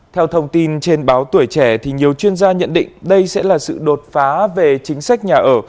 theo thông tin trên báo tuổi trẻ nhiều chuyên gia nhận định đây sẽ là sự đột phá về chính sách nhà ở